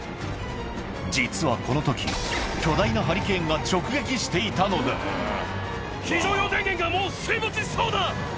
実はこのとき、巨大なハリケーン非常用電源がもう水没しそうだ。